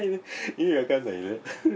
意味わかんないよね。